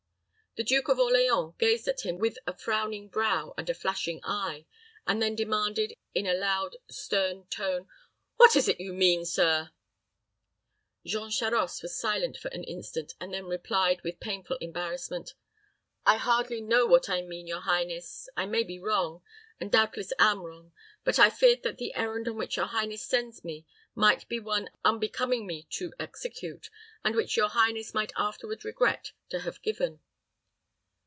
The Duke of Orleans gazed at him with a frowning brow and a flashing eye, and then demanded, in a loud, stern tone, "What is it you mean, sir?" Jean Charost was silent for an instant, and then replied, with painful embarrassment, "I hardly know what I mean, your highness I may be wrong, and doubtless am wrong but I feared that the errand on which your highness sends me might be one unbecoming me to execute, and which your highness might afterward regret to have given."